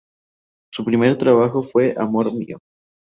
Su primer trabajo fue "Amor mío".